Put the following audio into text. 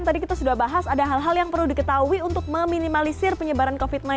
tadi kita sudah bahas ada hal hal yang perlu diketahui untuk meminimalisir penyebaran covid sembilan belas